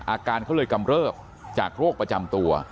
อาการเขาเลยกำเริบจากโรคประจำตัว